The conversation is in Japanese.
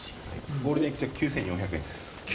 ゴールデンウィーク中９４００円です。